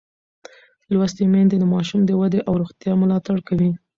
لوستې میندې د ماشوم د ودې او روغتیا ملاتړ کوي.